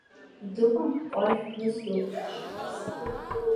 Дыҟан ҳкәажә ԥҳәыс дук.